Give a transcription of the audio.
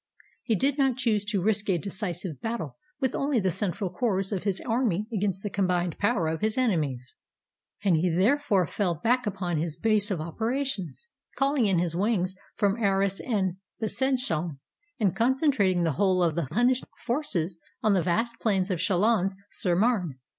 He did not choose to risk a decisive battle with only the central corps of his army against the combined power of his enemies, and he therefore fell back upon his base of operations, calling in his wings from Arras and Besangon, and concentrating the whole of the Hunnish forces on the vast plains of Chalons sur Marne.